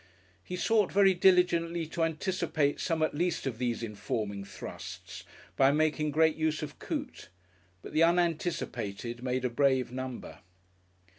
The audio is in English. He sought very diligently to anticipate some at least of these informing thrusts by making great use of Coote. But the unanticipated made a brave number....